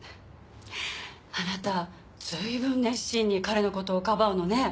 あなたずいぶん熱心に彼のことをかばうのね。